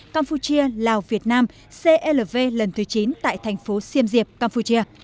campuchia lào việt nam clv lần thứ chín tại thành phố siêm diệp campuchia